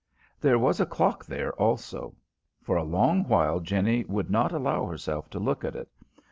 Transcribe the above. There was a clock there, also. For a long while Jenny would not allow herself to look at it.